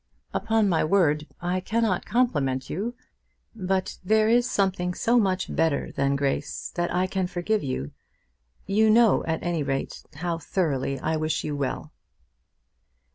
"Upon my word, I cannot compliment you. But there is something so much better than grace, that I can forgive you. You know, at any rate, how thoroughly I wish you well."